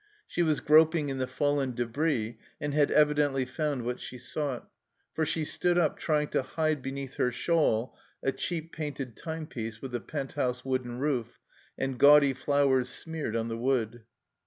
She was groping in the fallen debris, and had evidently found what she sought, for she stood up trying to hide beneath her shawl a cheap painted timepiece with a pent house wooden roof and gaudy flowers smeared on the wood.